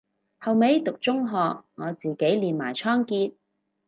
後尾讀中學我自己練埋倉頡